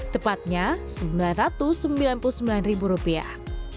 tepatnya sembilan ratus sembilan puluh sembilan ribu rupiah